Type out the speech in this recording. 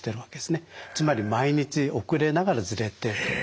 つまり毎日遅れながらズレてるという。